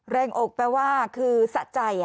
อกแปลว่าคือสะใจ